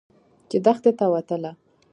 چې دښتې ته وتله.